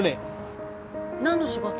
何の仕事？